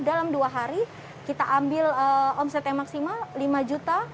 dalam dua hari kita ambil omset yang maksimal lima juta